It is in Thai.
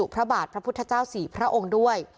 พระบาทพระพุทธเจ้า๔พระองค์ด้วย